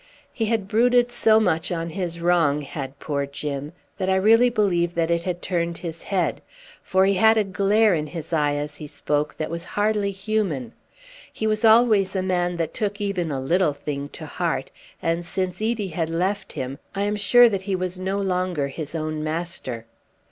He had brooded so much on his wrong, had poor Jim, that I really believe that it had turned his head; for he had a glare in his eyes as he spoke that was hardly human. He was always a man that took even a little thing to heart, and since Edie had left him I am sure that he was no longer his own master.